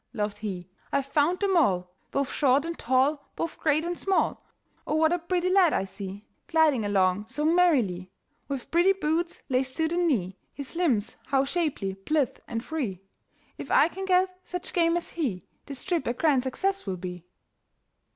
laughed he, "I've found them all, Both short and tall, both great and small. Oh, what a pretty lad I see Gliding along so merrily! "With pretty boots laced to the knee, His limbs how shapely, blithe, and free; If I can get such game as he, This trip a grand success will be."